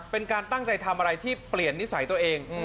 เป็นการตั้งใจทำอะไรที่เปลี่ยนนิสัยตัวเอง